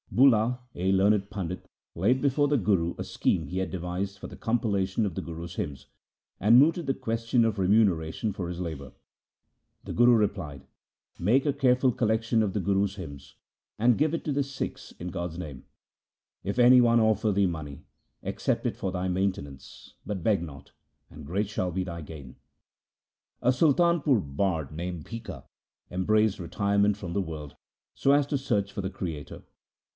Bula, a learned pandit, laid before the Guru a scheme he had devised for a compilation of the Guru's hymns, and mooted the question of remu neration for his labour. The Guru replied :' Make a careful collection of the Guru's hymns, and give it to the Sikhs in God's name. If any one offer thee money, accept it for thy maintenance, but beg not, and great shall be thy gain.' A Sultanpur bard named Bhikha embraced retire ment from the world so as to search for the Creator.